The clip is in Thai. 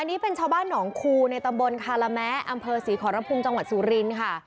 อันนี้เป็นชาวบ้านหนองคูในตำบลคาระแม้อำเภอศรีขอรพุมจังหวัดสุรินค่ะ